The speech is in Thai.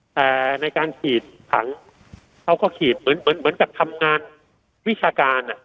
แต่ในการฉีดถังเขาก็ขีดเหมือนกับทำงานวิชาการ